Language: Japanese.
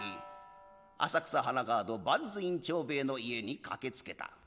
浅草花川戸幡随院長兵衛の家に駆けつけた。